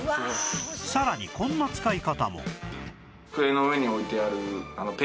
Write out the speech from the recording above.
さらにこんな使い方も